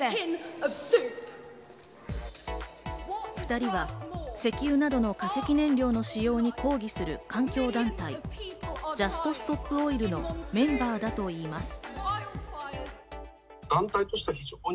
２人は石油などの化石燃料の使用に抗議する環境団体ＪｕｓｔＳｔｏｐＯｉｌのメンバーだといいます。